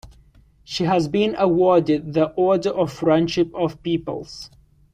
She has been awarded the Order of Friendship of Peoples.